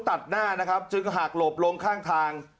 ตัดหน้านะครับจึงหักหลบลงข้างทาง